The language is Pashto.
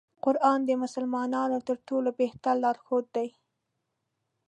قرآن د مسلمانانو تر ټولو بهتر لار ښود دی.